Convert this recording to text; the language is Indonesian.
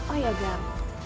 oh ya gam